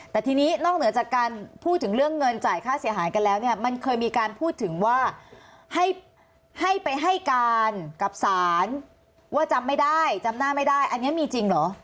แต่ทีนี้นอกเหนือจากการพูดถึงเรื่องเงินจ่ายค่าเสียหายกันแล้วเนี่ยมันเคยมีการพูดถึงว่าให้ไปให้การกับศาลว่าจำไม่ได้จำหน้าไม่ได้อันนี้มีจริงเหรอ